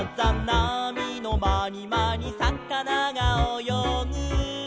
「なみのまにまにさかながおよぐ」